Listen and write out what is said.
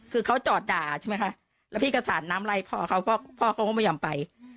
คือว่าอย่ามายุ่งบ้านฉันต่างคนต่างไป